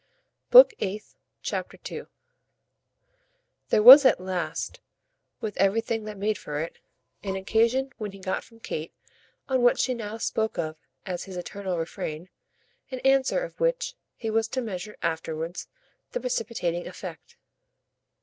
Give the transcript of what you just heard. Book Eighth, Chapter 2 There was at last, with everything that made for it, an occasion when he got from Kate, on what she now spoke of as his eternal refrain, an answer of which he was to measure afterwards the precipitating effect.